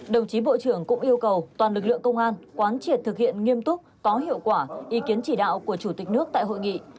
đồng chí bộ trưởng cũng yêu cầu toàn lực lượng công an quán triệt thực hiện nghiêm túc có hiệu quả ý kiến chỉ đạo của chủ tịch nước tại hội nghị